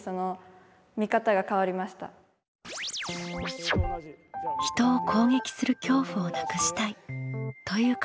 「人を攻撃する恐怖をなくしたい」という課題のはるたかさん。